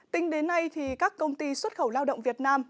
tính đến nay các công ty xuất khẩu lao động việt nam